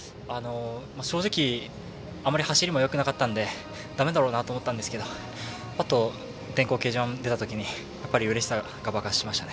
正直あまり走りもよくなかったのでだめだろうなと思っていたんですけれど電光掲示板を見たときにうれしさが爆発しました。